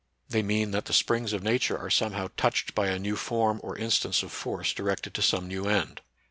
They mean that the springs of Nature are somehow touched by a new form or instance of force directed to some new end.